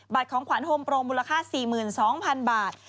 ของขวัญโฮมโปรงมูลค่า๔๒๐๐๐บาท